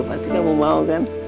pasti kamu mau kan